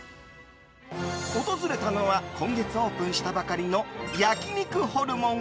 訪れたのは今月オープンしたばかりの焼肉ホルモン